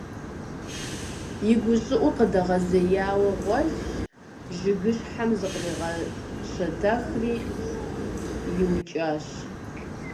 И гущӀыӀур къыдэгъэзеяуэ гъуэлъщ, жыгыщхьэм зыкъригъэщэтэхри, иукӀащ.